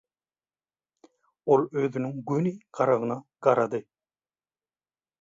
Ol özüniň göni garagyna garady.